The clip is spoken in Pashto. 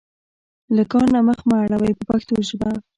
له کار نه مخ مه اړوئ په پښتو ژبه.